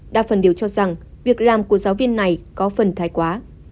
đa phần đều cho rằng việc làm của giáo viên này có phần thái quá